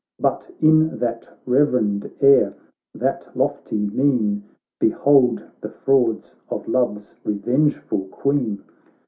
But in that reverend air, that lofty mien. Behold the frauds of Love's revengeful Queen.